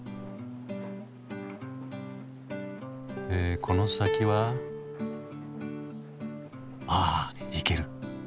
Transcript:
えこの先は？ああ行ける！